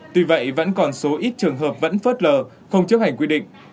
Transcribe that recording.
tuy vậy vẫn còn số ít trường hợp vẫn phớt lờ không chấp hành quy định